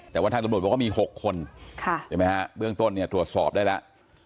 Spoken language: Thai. แต่ว่าทางตำรวจบอกว่ามี๖คนเบื้องต้นถวดสอบได้แล้ว